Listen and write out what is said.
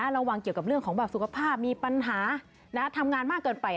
ระวังเกี่ยวกับเรื่องของแบบสุขภาพมีปัญหาทำงานมากเกินไป